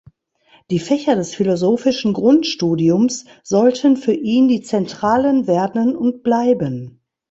Die Fächer des philosophischen Grundstudiums sollten für ihn die zentralen werden und bleiben.